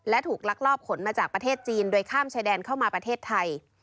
และถูกลักลอบขนมาจากประเทศจีนโดยข้ามชายแดนเข้ามาประเทศไทย